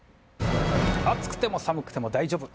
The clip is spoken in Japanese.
暑くても寒くても大丈夫。